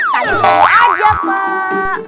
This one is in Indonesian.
tadi diajak pak